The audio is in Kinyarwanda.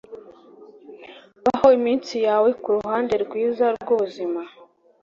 baho iminsi yawe kuruhande rwiza rwubuzima